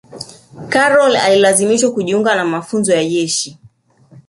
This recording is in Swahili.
karol alilazimishwa kujiunga na mafunzo ya jeshi